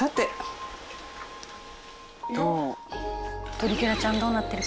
「トリケラちゃんどうなってるかな？」